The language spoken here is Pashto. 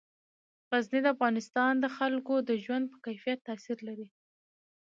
غزني د افغانستان د خلکو د ژوند په کیفیت تاثیر لري.